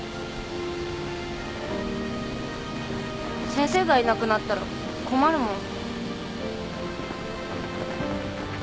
先生がいなくなったら困るもん。